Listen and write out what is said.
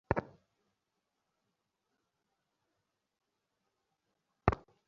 অপহরণের ঘটনায় শিশুর চাচা শাহাদাত হোসেন চারজনকে আসামি করে ফুলগাজী থানায় মামলা করেছেন।